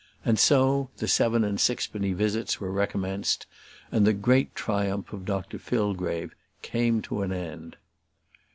And so the seven and sixpenny visits were recommenced; and the great triumph of Dr Fillgrave came to an end.